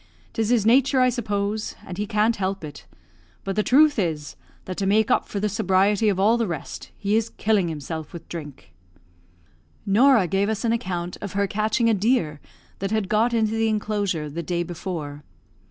'Tis his nature, I suppose, and he can't help it; but the truth is, that to make up for the sobriety of all the rest, he is killing himself with drink." Norah gave us an account of her catching a deer that had got into the enclosure the day before.